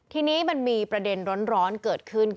และความสุขของคุณค่ะ